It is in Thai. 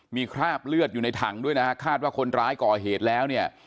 มีคราบเลือดอยู่ในถังด้วยนะฮะคาดว่าคนร้ายก่อเหตุแล้วเนี่ย